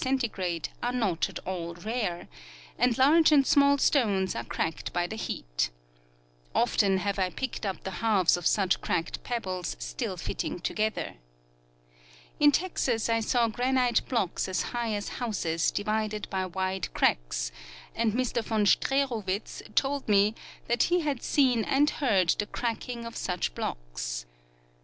are not at all rare ; and large and small stones are cracked by the heat. Often have I picked up the halves of such cracked pebbles still fitting together. In Texas I saw granite blocks as high as houses divided by wide cracks, and Mr von Streeruwitz told me that he had seen and heard the cracking of such blocks.